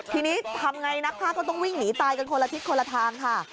ทีนี้ทำไงนักภาคก็ต้องวิ่งหนีตายกันคนละทิศคนละทางค่ะ